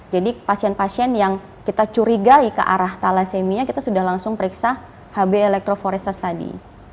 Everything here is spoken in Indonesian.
jadi pasien pasien yang kita curigai ke arah thalassemia kita sudah langsung periksa hb elektroforesa tadi